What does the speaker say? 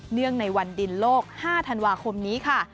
งในวันดินโลก๕ธันวาคมนี้ค่ะ